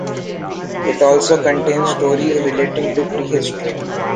It also contains stories relating to prehistory.